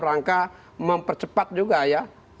rangka mempercepat juga ya